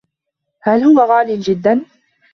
هل هو غال جدا؟